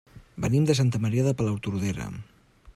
Venim de Santa Maria de Palautordera.